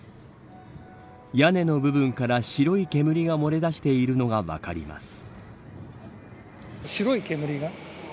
屋根の部分から白い煙がもれ出しているのが分かります。